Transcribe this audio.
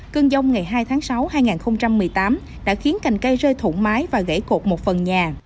cơn giông ngày hai tháng sáu hai nghìn một mươi tám đã khiến cành cây rơi thủng mái và gãy cột một phần nhà